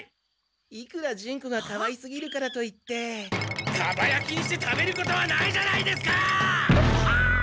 いくらジュンコがかわいすぎるからといってかばやきにして食べることはないじゃないですか！